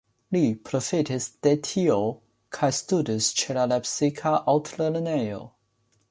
Li profitis de tio kaj studis ĉe la lepsika altlernejo.